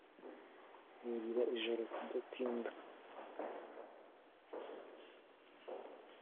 iburira ijoro kudatinda